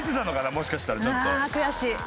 もしかしたらちょっと。